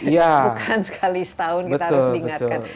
bukan sekali setahun kita harus diingatkan